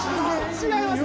違います。